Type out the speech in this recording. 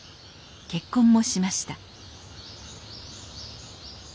結婚もしました